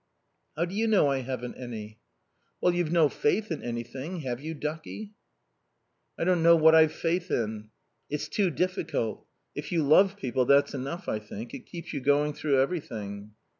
"How do you know I haven't any?" "Well, you've no faith in Anything. Have you, ducky?" "I don't know what I've faith in. It's too difficult. If you love people, that's enough, I think. It keeps you going through everything."